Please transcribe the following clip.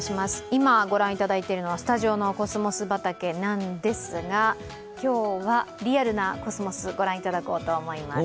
今、ご覧いただいているのはスタジオのコスモス畑なんですが今日はリアルなコスモスをご覧いただこうと思います。